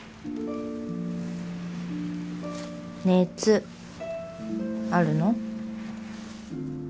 熱あるの？